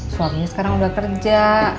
suaminya sekarang udah kerja